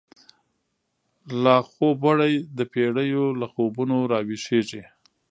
لاخوب وړی دپیړیو، له خوبونو راویښیږی